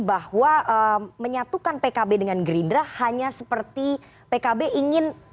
bahwa menyatukan pkb dengan gerindra hanya seperti pkb ingin